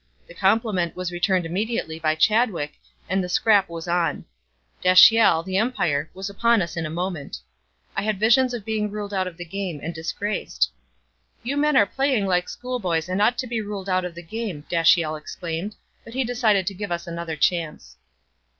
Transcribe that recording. The compliment was returned immediately by Chadwick, and the scrap was on. Dashiell, the umpire, was upon us in a moment. I had visions of being ruled out of the game and disgraced. "You men are playing like schoolboys and ought to be ruled out of the game," Dashiell exclaimed, but he decided to give us another chance.